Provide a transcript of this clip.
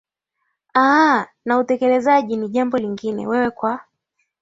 aaa na utekelezaji ni jambo lingine wewe kwa